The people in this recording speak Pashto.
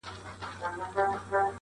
• له نیکه مو اورېدلي څو کیسې د توتکیو -